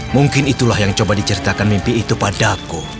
mungkin itulah yang coba diceritakan mimpi itu padaku